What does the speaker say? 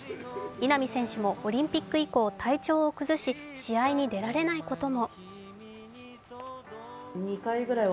稲見選手もオリンピック以降体調を崩し試合に出られないことも。